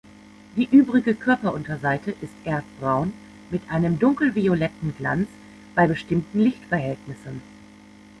Die übrige Körperunterseite ist erdbraun mit einem dunkelvioletten Glanz bei bestimmten Lichtverhältnissen.